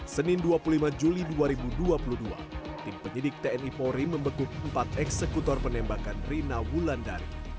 senin dua puluh lima juli dua ribu dua puluh dua tim penyidik tni polri membekuk empat eksekutor penembakan rina wulandari